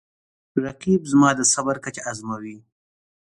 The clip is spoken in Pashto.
رقیب زما د صبر کچه ازموي